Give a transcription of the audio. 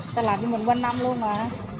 người ta làm cho mình quanh năm luôn mà